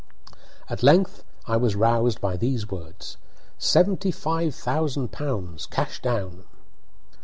At length I was roused by these words: "Seventy five thousand pounds, cash down."